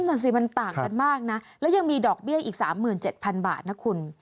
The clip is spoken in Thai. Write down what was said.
นั่นสิมันต่างกันมากนะแล้วยังมีดอกเบี้ยอีก๓๗๐๐บาทนะคุณ